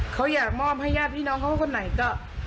เขาอยากมอบให้ญาติพี่น้องเขาคนไหนก็